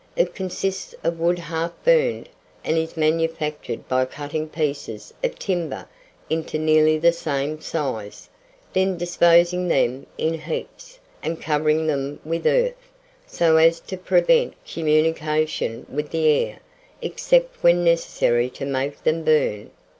It consists of wood half burned, and is manufactured by cutting pieces of timber into nearly the same size, then disposing them in heaps, and covering them with earth, so as to prevent communication with the air, except when necessary to make them burn.